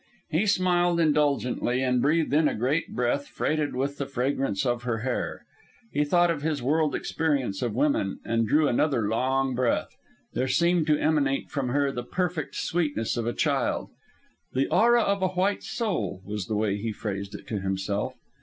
He smiled indulgently, and breathed in a great breath freighted with the fragrance of her hair. He thought of his world experience of women, and drew another long breath. There seemed to emanate from her the perfect sweetness of a child "the aura of a white soul," was the way he phrased it to himself.